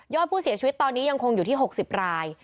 ผู้เสียชีวิตตอนนี้ยังคงอยู่ที่๖๐ราย